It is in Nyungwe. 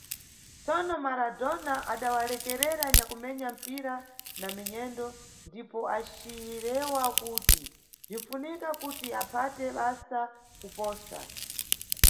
Tsono, Maradona, adawalekerera anyakumenya mpira na minyendo, ndipo acirewa kuti bzwinfunika kuti aphate basa kuposa.